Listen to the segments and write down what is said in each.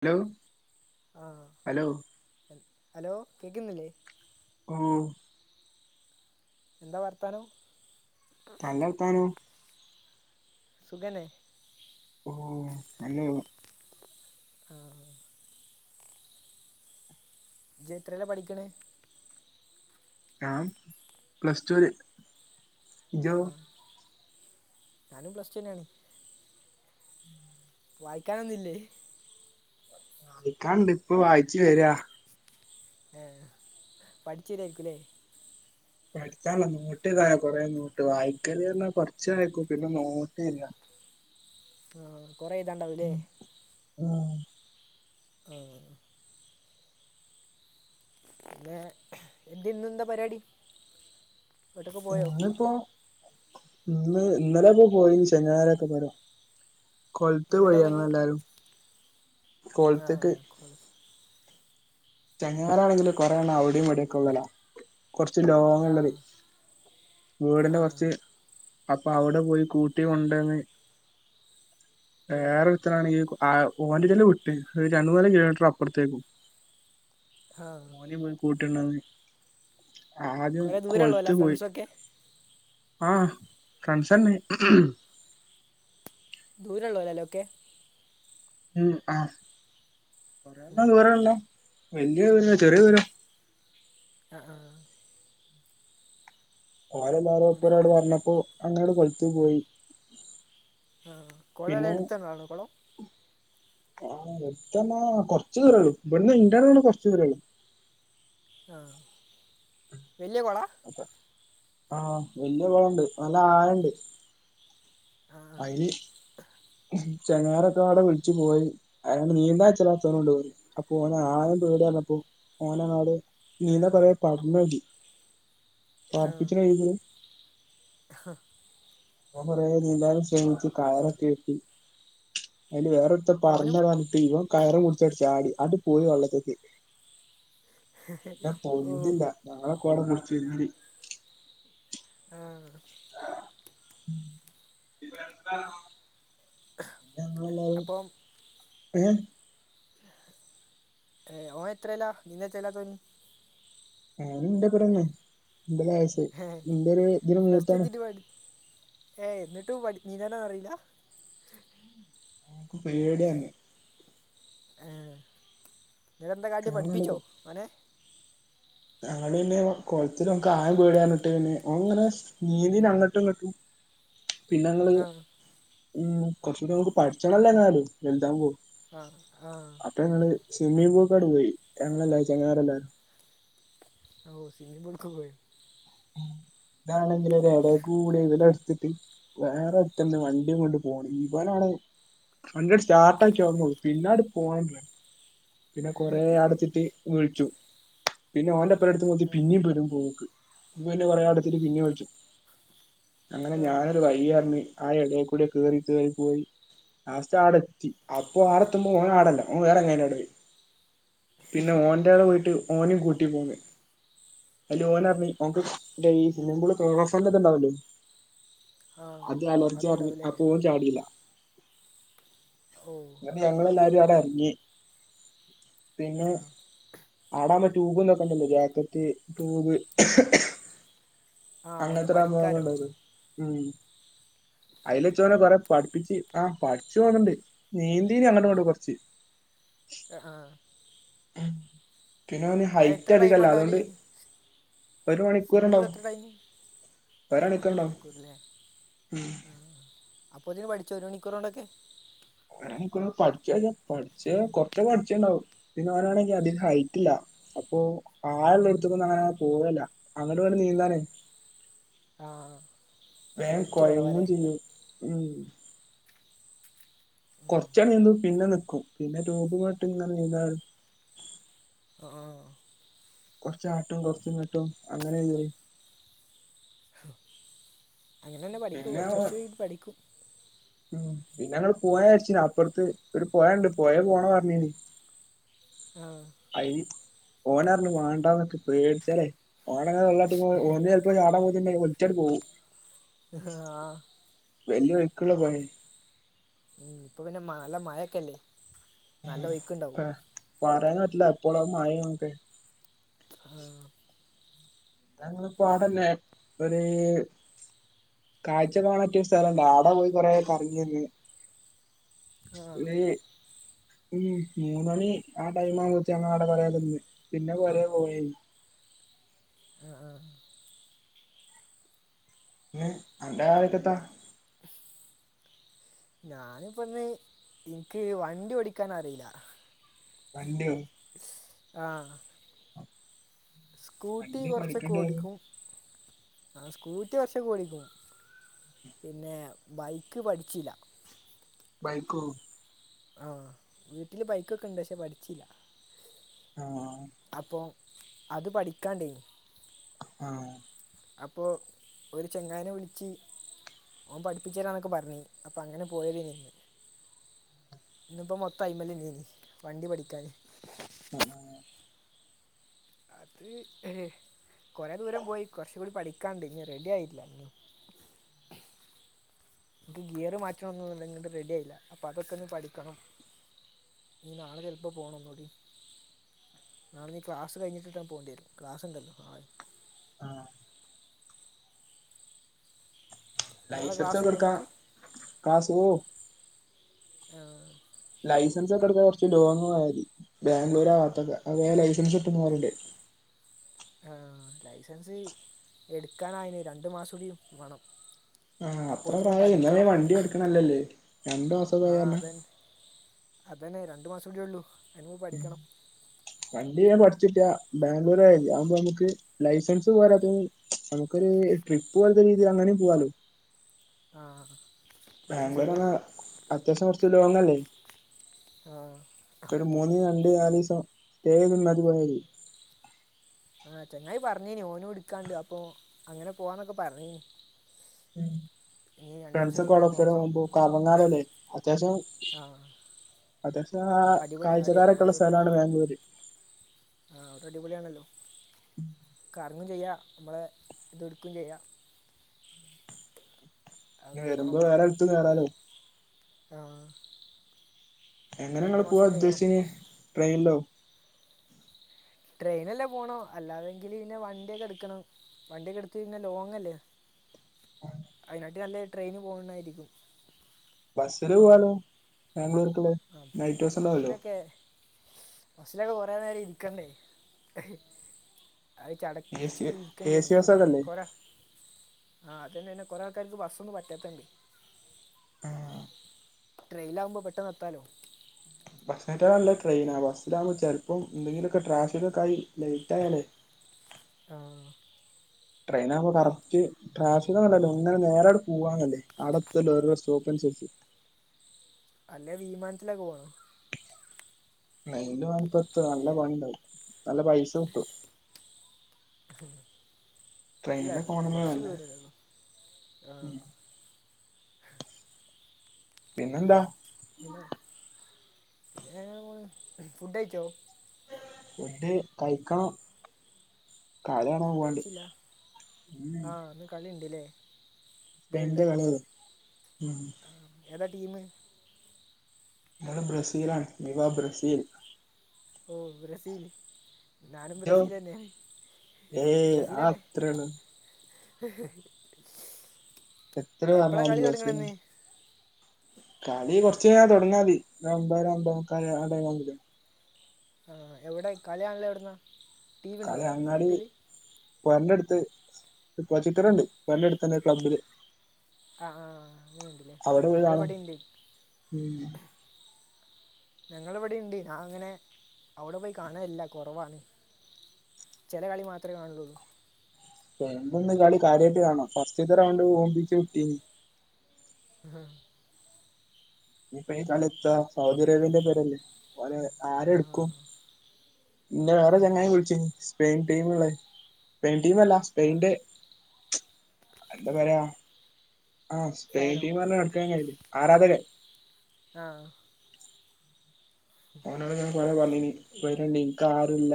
Hello ആഹ് hello. Hello കേൾക്കുന്നില്ലേ ഓ എന്താ വർത്താനം? നല്ല വർത്താനം. സുഖന്നെ ഓ. [unintelligible] ആ. ഇജ്ജ് എത്രീല പഠിക്കണ് ഞാൻ പ്ലസ്റ്റൂല്. ആ ആ ഞാനും പ്ലസ്റ്റു തന്നേയാണ് വായിക്കാനൊന്നീല്ലേ? വായിക്കാണ്ട് ഇപ്പൊ വായിച് വെര. ഏ പഠിച്ചിതയിരികുല്ലേ? പഠിക്കാനല്ല നോട്ടെയ്‌താന കൊറേ നോട്ട് വായിക്കല് കൊറച്ച് വായിക്കും പിന്നെ നോട്ടെഴുതാ. ആ കൊറെ എഴുതാണ്ടാവുല്ലേ ആ. ഏ. ന്നേ എന്ത്ന്നെന്താ പരിവാടി? വീട്ട്ക്ക് പോയോ? ഇന്നിപ്പോ ഇന്ന് ഇന്നലോക്ക് പോയി ശനിയാ രൊക്കെ പെര. കോൾത് എങ്ങോട്ടാ പോയി പോയത് ങ്ങളെല്ലാരും കൊൾത്തക്ക്. ആഹ് കോളേജ് ചെങ്ങായിമാരാണെങ്കിലോ കൊറേ എണ്ണം അവിടെയും ഇവിടെയുകൊള്ളൊടാ. കൊറച്ച് ലോങ്ങ്ള്ളതെ ആഹ് വീടിന്റെ ആഹ് കൊറച്ച് അപ്പൊ അവിടെ പോയി കൂട്ടി കൊണ്ടന്ന് ഉം വേറൊരുത്താനാണെങ്കി ആ ഓന്റെല് ല് വ്ട്ട് രണ്ട്മൂന്നാൽ കിലോമീറ്റർ അപ്പൊർത്തേകു. ആഹ് ഓനും പോയി കൂട്ട്ണ്ടാന്ന്. ആദ്യം കുറേ ദൂരം ഉള്ളതല്ലേ കൊളത്ത് പോയി ഫ്രണ്ട്സൊക്കെ ആ. കൺസന്ന്. ദൂരള്ളൊരൊല്ലൊക്കെ? ഉം ആ കൊറെണ്ണം ആഹ് ദൂരെള്ള. വല്ല്യ ദൂരല്ല ചെറിയ ദൂരം ആ ആ ഓരെല്ലാരോപ്പന്ന് ഇവിടെ കൊ ഒരാള് പറഞ്ഞപ്പോ അങ്ങനട് പൊയിട്ടും പോയി ആ കൊളവെടെ അടുത്താന്നാണോ കൊളം ആ അടുത്തറഞ്ഞ കൊറച്ചു ദൂരേള്ളൂ ബ്ട്ന്ന് ഇൻ്റെ [unintelligible] കൊറച്ചു ദൂരള്ളൂ ആ വല്യ കൊള ആ വല്യ കുളണ്ട് നല്ല ആഴണ്ട് ആ അയിന് ഉംഹും ചെങ്ങാരൊക്കെ അവിടെ വിളിച്ചു ചങ്ങാടക്കെ അവടെ വിളിച്ച്പോയി അയിനാണ്ട് നീന്താൻ ചലച്ചുനെ കൊണ്ടയി അപ്പൊ ഓന് ആഴം പേടിർഞ്ഞപ്പോ ഓനെ നാട് നീന്താൻ കൊറെ പറഞ്ഞോക്കി വാപ്പച്ചിടെ കയ്യില് എ ഹ ഓൻ കൊറെ നീന്താനൊക്കെ ശ്രമിച്ച് കയറൊക്കെ കെട്ടി അയില് വേറൊരുത്തൻ പറഞ്ഞ ഓനും കഞ്ഞിട്ട് ഇവ കയറും പിടിച്ച് അട് ചാടി അങ്ട് പോയി വെള്ളത്തേക്ക് പിന്നെ ഓ പൊന്തില്ല ഞളെക്കാടെ പിടിച്ച് നീന്തി ആ ഞങ്ങളെല്ലാരും ഏ എ ഓൻ എത്രലാ നീന്താൻ ഇഷ്ടല്ലാത്തോന് ഓന് ൻ്റെ ഒപ്പരം ന്നെ ന്റെ വയസ് ന്റെ ഒരു ഇതിലും പ്ലസ് ടു മൂത്താണ് എത്തിയിട്ട് പഠി ഏ എന്നിട്ടും പഠിഞ്ഞിലാറയില്ല നൂക്ക് പേടി ആണ് അ് നിട്ടെന്താ കാട്ടി ഞങ്ങളങ്ങട് പഠിപ്പിച്ചോ ഓനെ ഞങ്ങള് പിന്നെ കൊഴത്തിലും ഓക്ക് ആഴം പേടിറഞ്ഞിട്ട്ന്നെ അങ്ങനെ നീന്തിന് അങ്ങട്ടും ഇങ്ങട്ടും പിന്നെ ഞങ്ങള് ആ ഉം കൊറച്ചുകൂടി മ്മ്ക്ക് പഠിച്ചണല്ലോ എങ്ങാലും വലുതാവുമ്പോ ആ ആ അപ്പൊ ഞങ്ങള് സ്വിമ്മിംഗ് പൂളിലിങ്ങട് പോയി ഞങ്ങല്ലാരും ചങ്ങായില്ലാരും ഓ സിംമ്മിംഗ് പൂളിക്ക് പോയോ ഇതാണെങ്കിൽ ഒര എടേ കൂടെ ഇവൻ്റെടുത്തെത്തി വേറൊരുത്തൻ്റെ വണ്ടിയും കൊണ്ട് പോണ് ഇവനാണ് വണ്ടിങ്ങട് സ്റ്റാർട്ടാക്കിയ ഓർമ്മള്ളൂ പിന്നെങ്ങട് പോണണ്ട്ല്ലോ പിന്നെ കൊറെ അടച്ചിട്ട് വിളിച്ചു പിന്നെ ഓൻ്റെ എപ്പരേ അടുത്ത് നോക്കി പിന്നീം പെടും പോക്ക് [unintelligible] കൊറെ അടത്തിട്ട് പിന്നും വിളിച്ചു അങ്ങനെ ആ ഞാനൊരു വയി ആർന്ന് ആ എടെക്കൂടെ കേറി കേറി പോയി ലാസ്റ്റ് ആടെ എത്തി അപ്പൊ ആടെ എത്തുമ്പോ ഓൻ ആടല്ല ഓൻ വേറെ ചങ്ങായിൻ്റെ കൂടെ പോയി പിന്നെ ഓൻന്റെടെ പോയിട്ട് ഓനെം കൂട്ടി പോന്ന് അല് ആ ഓനറഞ്ഞ് ന്താ ഈ സ്വിമ്മിംഗ് പൂൾ [unintelligible] ഇണ്ടാവില്ലേ ആ അത് അലർജി പറഞ്ഞ് അതുണ്ടാവൂലേ അപ്പോ ഓൻ ചാടീല്ല ഓ ന്നിട്ട് ഞങ്ങളെല്ലാരും ആടെ എറങ്ങി ആ പിന്നെ ആടാൻ പറ്റ ട്യൂബ് തൊക്കെണ്ടല്ലോ ജാക്കറ്റ് ട്യൂബ് ആ ഓന് അങ്ങനത്തൊരാ അനുഭവങ്ങൾ പഠിക്കാലോ ഉണ്ടായത് ഉം അയ്ല്ച്ചോല് കൊറെ പഠിപ്പിച്ച് ആഹ് പഠിച്ച് തോന്നിണ്ട് നീന്തീന് അങ്ങടും ഇങ്ങടും കൊറച്ച് ആ ആഹ് ഉം പിന്നെ അതിന് ഹൈറ്റ് ടൈം അധികല്ല ഉണ്ടാവില്ലേ അതോണ്ട് ഒരു മണിക്കൂർ സ്വിമ്മിംഗ് പൂൾ ഉണ്ടാവും എത്ര ടൈം ആ ഒരണിക്കൂർ ഒരു ഉണ്ടാവും മണിക്കൂറല്ലേ ഉം ആഹ് അപ്പൊത്തിന് പഠിച്ചോ ഒരു മണിക്കൂറോണ്ടൊക്കെ ഒരു മണിക്കൂറോണ്ട് പഠിക്കാച്ച പഠിച്ച് കൊറച്ച് ക്കെ പഠിച്ചുണ്ടാവും പിന്നെ ഓനാണെങ്കിൽ അധികം ഹൈറ്റ്ല്ല അപ്പൊ ആഴൊള്ള എടത്തക്കൊന്നും അങ്ങനെ പോവില്ല അങ്ങട്ടും ഇങ്ങടും നീന്താനേ ആ വേഗം ഹൈറ്റ് കൊഴയും കുറവാല്ലേ ചെയ്യും ഉം കൊറച്ചണനീന്തും പിന്നെ നിക്കും പിന്നെ ട്യൂബ്മട്ട് ഇങ്ങനെ നീന്താൻ ആഹ് കൊറച്ചാട്ടും കൊറച്ച്ങ്ങ്ട്ടും അങ്ങനെയ്യ് [unintelligible] പഠിക്കും പിന്നെ കുറച്ച് കുറച്ച് ഇത് പഠിക്കും പിന്നെ ങ്ങട് പോയ അരിച്ചന അപ്പുറത്ത് ഇര് പോയണ്ട് പോയ പോണ പറഞ്ഞന് ആഹ് ഓനർഞ്ഞിക്ക്ണ് ഓണാണ്ടമെത്തെറ്റ് പേടിച്ചല്ലേ ഓങ്ങെള്ളാട്ട ഓന ച ചാടാ പോണ്ട ഓല് ചട് പോവും ആഹ് വല്യ ഒഴുക്കുള്ള പുഴ ഉം ഇപ്പൊ പിന്നെ നല്ല മഴൊക്കെല്ലേ നല്ല ഒഴ്ക്ക്ണ്ടാവും പറയാൻ പറ്റില്ല എപ്പോളാ മഴന്നോക്കെ ആഹ് ഞങ്ങളെപ്പാടന്നെ ഒര് കാഴ്ച കാണാൻ പറ്റിയ സ്ഥലം ആട പോയി കൊറേ കറങ്ങി വന്ന് ആ പിനീ ഉം മൂന്ന് മണി ആ ടൈം ആകുമ്പത്തിന് ഞങ്ങള് അവിടെ കൊറേ നിന്ന് പിന്നെ പോരെ പോയി ആഹ്‌ ആഹ്‌. പിന്നെ അന്റെ ആലേക്കെത്താ ഞാനിപ്പന്ന് എനിക്ക് വണ്ടി ഓടിക്കാൻ അറിയില്ല വണ്ടിയോ ആഹ് സ്കൂട്ടി വണ്ടി കൊറച്ചൊക്കെ പഠിക്കണ്ടേ ഓടിക്കും ആ സ്കൂട്ടി കൊറച്ചൊക്കെ ഓടിക്കും പിന്നെ ബൈക്ക് പഠിച്ചില്ല ബൈക്കൊ ആഹ് വീട്ടില് ബൈക്കൊക്കെ ഇണ്ട് പക്ഷെ പഠിച്ചില്ല ആഹ് അപ്പൊ അത് പഠിക്കാണ്ടേ ആഹ് അപ്പോ ഒരു ചെങ്ങായിനെ വിളിച്ച് ഓൻ പഠിപ്പിച്ചരാന്നൊക്കെ പറഞ്ഞേ അപ്പൊ അങ്ങനെ പോയതേയ്ന് ഇന്നിപ്പോ മൊത്തം അയ്മല് ന്നേനീ വണ്ടി പഠിക്കാന് ആഹ് ആഹ് അത് ഏഹ് കൊറെ ദൂരം പോയി കൊറച്ചു കൂടി പഠിക്കാണ്ട് ഇഞ്ഞി റെഡിയായിട്ടില്ല ഇഞ്ഞും. ഇക്ക് ഗിയറ് മാറ്റണൊന്നും [unintelligible] അങ്ങോട്ട് റെഡി ആയില്ല, അപ്പ അതൊക്കോന്ന് പഠിക്കണം. നീ നാളെ ചെല് പ്പ പോണം ഒന്നൂടി. നാളെ നീ ക്ലാസ് കഴിഞ്ഞിട്ട്റ്റെ പോണ്ട്യരും ക്ലാസ്ണ്ടല്ലോ നാളെ. ആഹ് നാളെ ക്ലാസ് ലൈസൻസൊക്കെ ഇല്ല എടുക്കാ നിങ്ങൾക്ക് ക്ലാസ് [unintelligible] ആഹ് ലൈസൻസ് ഒക്കെ എടുക്കാ കൊറച്ച് ലോങ്ങ് പോയാതി, ബാംഗ്ലൂര് ആ ഭാഗത്തൊക്കെ അങ്ങനെ ലൈസൻസ് കിട്ടുംന്ന് പറയിണ്ട് ആഹ് ലൈസൻസ് എടുക്കാനായിന് രണ്ട് മാസൂടി വണം. ആഹ് അത്ര പ്രായായി ഇന്നാ പിന്നെ വണ്ടി എടുക്കണല്ലേല്ലേ രണ്ടു മാസ ആ പോയി പർഞ്ഞാ അതന്നെ അതന്നെ രണ്ട് മാസൊടിയൊള്ളൂ. മ് വണ്ടി ഞാൻ പഠ് [unintelligible] ബാംഗ്ലൂരൊയാതി ആവുമ്പോ നമ്മുക്ക് ലൈസൻസ് പോരാത്തേന് നമുക്കൊരു ട്രിപ്പ് പോൽത രീതിൽ അങ്ങനേം പോവാലോ. ആഹ ബാംഗ്ലൂർന്ന അത്യാവശ്യം കൊറച്ച് ലോങ്ങല്ലേ ആ ഒരു മൂന്ന് രണ്ട് നാലേസം സ്റ്റേ ചെയ്ത് നിന്നാലും മതി ആഹ ചെങ്ങായി പറഞ്ഞേനി ഓനും ഇടുക്കാണ്ട് അപ്പൊ അങ്ങനെ പോവാന്നൊക്കെ പറഞ്ഞേനിം ഉം ഫ്രണ്ട്സ് കഴിഞ്ഞ് നോക്കണം ഒക്കെഅഡെപ്പോണത് കറങ്ങാനല്ലേ അത്യാവശ്യം ആ അത്യാവശ്യം ആ അടിപൊളി അടി കാഴ്ചക്കാരൊക്കെ ഉള്ള അടിപൊളി സ്ഥലാണ് ബാംഗ്ലൂര് അടിപൊളി യാണല്ലോ ഉം കറങ്ങും ചെയ്യ നമ്മളെ ഇതടുക്കുകയും ചെയ്യാം അത് ഇ നോക്കണം വരുമ്പോ വേറെ എടുത്ത് വരാലോ ആ എങ്ങനെങ്ങള്ൾ രണ്ട് മാസം പോവാ കൂടി കഴിയണം ഉദ്ദേശിച്ച ട്രെയിനിലോ ട്രെയിനല്ലേ പോണം അല്ലാതെങ്കിൽ പിന്നെ വണ്ടിയൊക്കെ എടുക്കണം വണ്ടിയൊക്കെ എടുത്ത്ന്നെ ലോങ്ങ് അല്ലേ [unintelligible] അതിനാട്ട് നല്ല ട്രെയിന് പോകന്നായിരിക്കും ബസ്സില് പോവാലോ ബാംഗ്ലൂർ ആ ബസ്സിലൊക്കെ ബസ്സിലൊക്കെ കൊറേ നേരം ഇരിക്കണ്ടേ അത് എ സി ചടച്ചു എ സി വിക്കേണ്ടിരും പിന്നെ ബസ്സൊക്കെല്ലേ കൊറ ആഹ് അതന്നെ തന്നെ കൊറെ ആൾക്കാർക്ക് ബസ്സ് ഒന്നും പറ്റാത്തണ്ട് ആഹ ട്രെയിൻ ആവുമ്പോ പെട്ടെന്ന് എത്താലോ ബസ്സിനേക്കാൾ നല്ല ട്രെയിനാ ബസ്സിലാകുമ്പോൾ ചിലപ്പോം എന്തെങ്കിലുമൊക്കെ ട്രാഫിക്ക ഒക്കെ ആയി ലേറ്റ് ആയാലേ [unintelligible] ആ ട്രെയിൻ ആകുമ്പോൾ കറക്റ്റ് ട്രാഫിക്ക്‌ ഒന്നും ഇല്ലല്ലോ അങ്ങന നേരെ അങ്ങട് പോകാല്ലോ അടത്തല്ലോ സ്റ്റോപ്പിൽ [unintelligible] അല്ലെ വിമാനത്തിലൊക്കെ പോണോ ട്രെയിൻല് പോയപോതും നല്ല പണിണ്ടത് നല്ല പൈസ കിട്ടും അല്ല ട്രെയിനിലൊക്കെ പോണതാ കുറച്ച് നല്ലത് ദൂരല്ലേള്ളോ ആ ഉം [unintelligible] പിന്നെന്താ പിന്നെ ഫുഡ് കഴിച്ചോ ഫുഡ് കൈക്കണം അ കയ്ച്ചില്ല ആഹ് ഇന്ന് കളിണ്ട്ല്ലേ ഇപ്പെന്റെ കളി ഏതാ ട്ടീമ് ഞാന് ബ്രസീലാണ് വിവാ ബ്രസീൽ ഓ ബ്രസീല് ജോ ഏയ് ബ്രസീൽ തന്നെ അത്അത്രോള്ളു [unintelligible] എത്ര എപ്പോഴാണ് പറഞ്ഞാലും കളി ബ്രസീൽ തുടങ്ങണമെന്ന് കളി കൊറച്ച്യാ തൊടങ്ങാതി ഒരൊ മ്പഅര ഒമ്പതേ മുക്കാല് ആ ട്ടൈം ആവുമ്പക്കും ആ എവടെ കളികാണലെവ്ട്ന്നാ ട്ടീവിണ്ടോ വീട്ടില് ഒര്നെട്ത്ത് പ്രൊജറ്ററ്ണ്ട് ഒര്നെടുത്തന്നെ ക്ലബ്ബില് ആ ആ അങ്ങന്ണ്ട്ല്ലേ അവിടെ പോയി കാണും ഞങ്ങളിവിടെണ്ട് ഉം ഞങ്ങളവിടെണ്ട് അത്ങ്ങനെ അവ്ടെ പോയി കാണലില്ല കുറവാണ് ച്ചെല കളി മാത്രെ കാണലൊള്ളൂ എന്ത്ന്ന് കളി കാര്യായിട്ട് കാണണം ഫസ്റ്റ്ത്തെറൗണ്ട് ഓമ്പിച്ച് വിട്ടീനി [inaudible] ഇനിപ്പ ഈ കളിത്ത സൗദി അറേബ്യന്റെ പേരല്ലേ ഓലെ ആ ആരെടുക്കും ഇനെവേറൊരു ചങ്ങായി വിളിച്ചീനു. സ്പെയിൻ ട്ടീമ്ള്ളേ സ്പെയി ഇവല്ല ആ സ്പെയ്ൻടെ എന്താ പറയാ ആഹ ഫാനോ സ്പെയിൻടീംപറഞ് നടക്കാൻ കഴിയിലെ ആരാധകരെ ആഹ ഓനോട് ഞ കൊറെ പറഞ്ഞിന് വരണ്ടെയ് എൻക്കാരുല്ല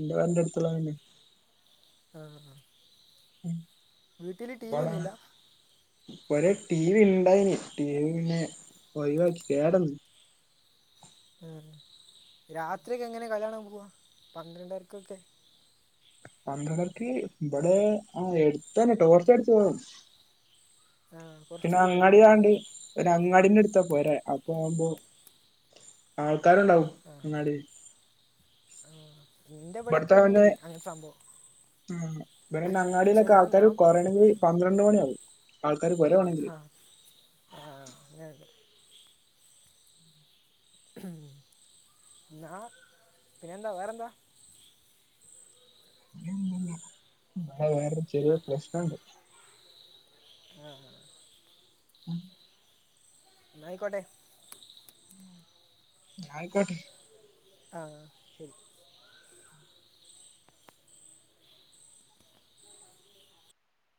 എന്റെ വന്ടെ അടുത്തുള്ള തന്നെ ആ വീട്ടില് ടി വി ഒന്നില്ല. ഒരെ ടി വി ഇണ്ടായിന് ടി വി പിന്നെ ഒയിവാകി കേടന്ന്. ഉം രാത്രിയൊക്കെ എങ്ങനെ കളികാണാൻ പോവാ പന്ത്രണ്ടരക്കൊക്കെ? പന്ത്രണ്ടര്ക്ക് ഇബടെ ആ എടുത്തന്നെ ട്ടോർച്ചടിച്ചു പോവാം. ആ കുറച്ച് പേര് ഉണ്ടാവുള്ളൂ അല്ലേ പിന്നങ്ങട്ഗാണ്ട് പിനഅങ്ങാടിന്റെ ടുത്താ പോരെ അപ്പൊ ആവുമ്പോ ആൾക്കാരുണ്ടാവും അങ്ങാട് ആ ഇന്റെ ഇവിടൊക്കെ ഇണ്ട്. അങ്ങനെ സംഭവം. ആ ഇവരന്നെ പക്ഷെ അങ്ങാടിലൊക്കെ ഞാൻ ആൾക്കാര് ഞാൻ പോ- കൊറയണെങ്കി പന്ത്രണ്ട് മണിയാവും. ആൾക്കാര് പോരവാണെങ്കില് ആഹ അങ്ങനെ ന്നാ പിന്നെന്താ വേറെന്താ? അത് വേറൊര് ചെറിയോര് പ്രശ്നണ്ട്. ആഹ ഉം ആയിക്കോട്ടെ. ആയിക്കോട്ടെ ആഹ ശെരി